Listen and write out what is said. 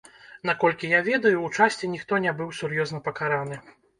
Наколькі я ведаю, у часці ніхто не быў сур'ёзна пакараны.